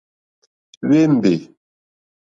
Hwémbè.